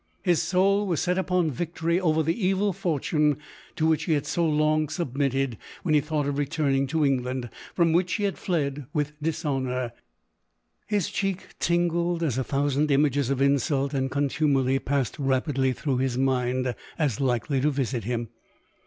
His soul was set upon victory over the evil fortune to which he had so long submitted. When he thought of returning to England, from which he had fled with dishonour, his cheek tingled as a thousand images of insult and contumely passed rapidly through his mind, as likely to visit him.